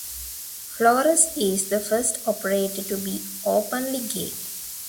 Flores is the first operator to be openly gay.